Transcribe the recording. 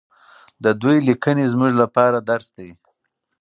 د دوی لیکنې زموږ لپاره درس دی.